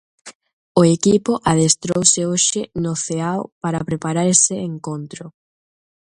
O equipo adestrouse hoxe no Ceao para preparar ese encontro.